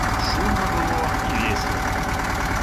Шумна было і весела.